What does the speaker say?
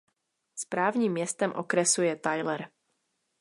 Správním městem okresu je Tyler.